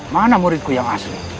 mana muridku yang asli